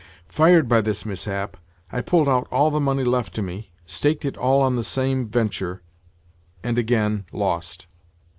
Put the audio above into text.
Fired by this mishap, I pulled out all the money left to me, staked it all on the same venture, and—again lost!